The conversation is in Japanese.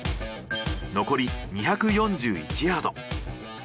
残り２４１ヤード。